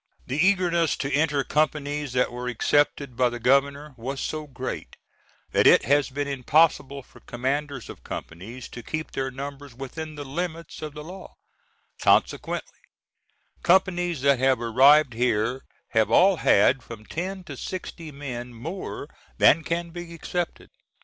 The eagerness to enter companies that were accepted by the Governor, was so great that it has been impossible for Commanders of companies to keep their numbers within the limits of the law, consequently companies that have arrived here have all had from ten to sixty men more than can be accepted.